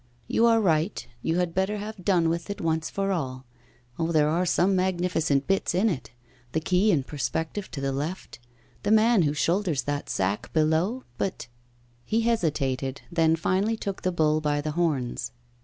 'You are right; you had better have done with it once for all. Oh, there are some magnificent bits in it. The quay in perspective to the left, the man who shoulders that sack below. But ' He hesitated, then finally took the bull by the horns.